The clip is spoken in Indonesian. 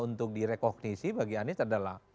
untuk direkognisi bagi anies adalah